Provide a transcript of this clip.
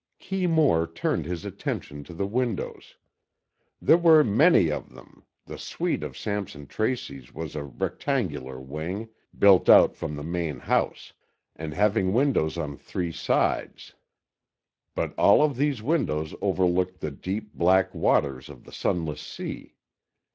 Kee Moore turned his attention to the windows. There were many of them. The suite of Sampson Tracy's was a rectangular wing, built out from the main house, and having windows on three sides. But all of these windows overlooked the deep, black waters of the Sunless Sea.